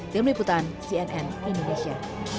di meliputan cnn indonesia